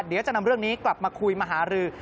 เดี๋ยวจะนำเรื่องนี้กลับมาคุยมาหารือ